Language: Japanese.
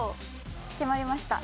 決まりました。